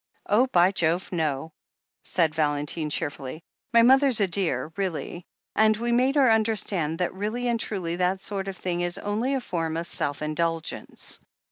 "Oh, by Jove, no !" said Valentine cheerfully. "My mother's a dear, really, and we made her understand that really and truly that sort of thing is only a form of self indulgence.